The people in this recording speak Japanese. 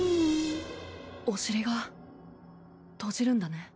お尻が閉じるんだね。